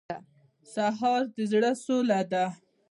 سهار د زړه سوله ده.